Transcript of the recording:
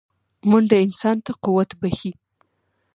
منډه انسان ته قوت بښي